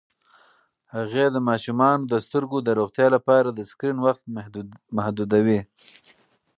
هغې د ماشومانو د سترګو د روغتیا لپاره د سکرین وخت محدودوي.